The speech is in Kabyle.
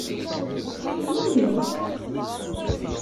Seg melmi?